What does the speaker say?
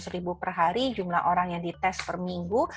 tiga ratus empat ratus ribu per hari jumlah orang yang dites per minggu